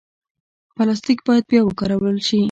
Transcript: پلاستيک باید بیا وکارول شي.